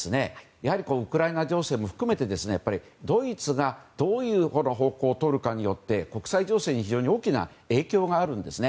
やはりウクライナ情勢も含めてドイツがどういう方向をとるかによって国際情勢に非常に大きな影響があるんですね。